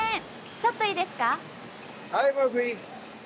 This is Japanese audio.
ちょっといいですか？